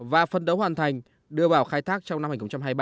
và phân đấu hoàn thành đưa vào khai thác trong năm hai nghìn hai mươi ba